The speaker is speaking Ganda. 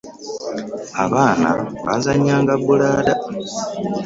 abaana bbazanya nga bulada